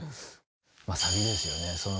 サビですよね。